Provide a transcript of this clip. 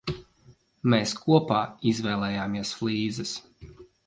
Mēs kopā izvēlējāmies flīzes.